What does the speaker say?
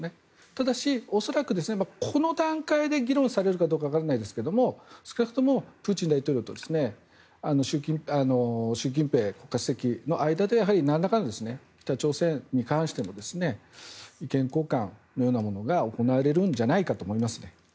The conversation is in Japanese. ただし恐らくこの段階で議論されるかどうかわからないですが少なくともプーチン大統領と習近平国家主席の間でやはりなんらかの北朝鮮に関しての意見交換のようなものが行われるんじゃないかと思います。